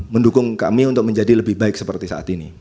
mendukung kami untuk menjadi lebih baik seperti saat ini